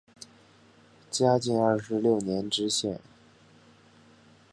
嘉靖二十六年知县。